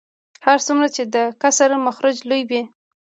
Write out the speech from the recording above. هر څومره چې د کسر مخرج لوی وي